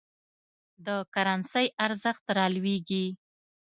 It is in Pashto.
د کرنسۍ ارزښت رالویږي.